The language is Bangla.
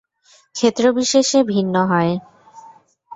ক্ষেত্রবিশেষে ভিন্ন হয়।